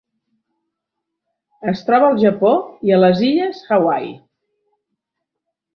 Es troba al Japó i a les Illes Hawaii.